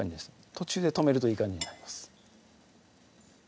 途中で止めるといい感じになります